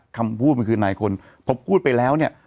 คำพูดมันคือนายคนพอพูดไปแล้วเนี่ย